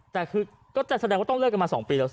แต่คือก็จะแสดงว่าต้องเลิกกันมา๒ปีแล้วสิ